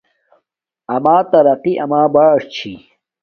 اما ترقی اما بݽ چھی